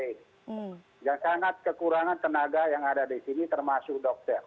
yang sangat kekurangan tenaga yang ada di sini termasuk dokter